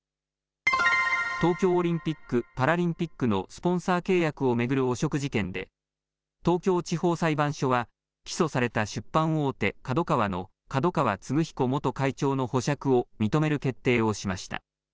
東京オリンピック・パラリンピックのスポンサー契約を巡る汚職事件で東京地方裁判所は起訴された出版大手、ＫＡＤＯＫＡＷＡの角川歴彦元会長の保釈を認める決定をしました。